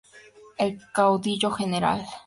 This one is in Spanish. El caudillo Gral.